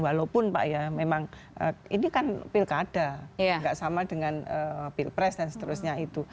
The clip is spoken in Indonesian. walaupun pak ya memang ini kan pilkada nggak sama dengan pilpres dan seterusnya itu